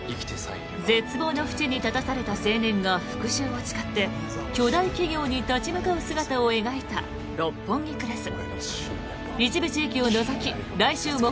絶望の淵に立たされた青年が復しゅうを誓って巨大企業に立ち向かう姿を描いた「六本木クラス」。